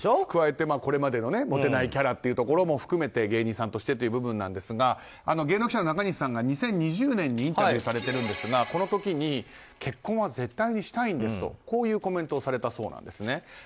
加えて、これまでのモテないキャラも含めて芸人さんとしてという部分ですが芸能記者の中西さんが２０２０年にインタビューされてるんですがこの時に結婚は絶対にしたいんですというコメントをされたそうなんです。